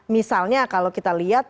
misalnya kalau kita lihat